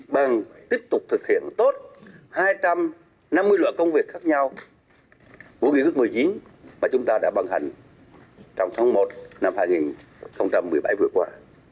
bằng tiếp tục thực hiện tốt hai trăm năm mươi loại công việc khác nhau của nghị quyết một mươi chín mà chúng ta đã ban hành trong tháng một năm hai nghìn một mươi bảy vừa qua